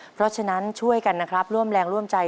เพราะฉะนั้นช่วยกันนะครับร่วมแรงร่วมใจ